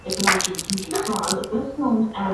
mvulana alikuwa na zaidi ya miaka kumi na tatu